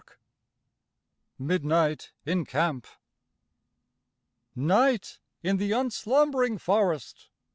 63 MIDNIGHT IN CAMP Night in the unslumbering forest!